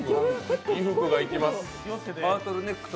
井福がいきます。